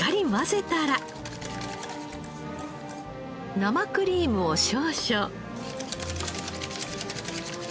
生クリームを少々。